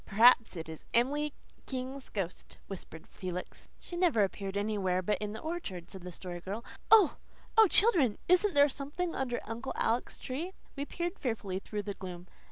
"Perhaps it is Emily King's ghost," whispered Felix. "She never appeared anywhere but in the orchard," said the Story Girl. "Oh, oh, children, isn't there something under Uncle Alec's tree?" We peered fearfully through the gloom.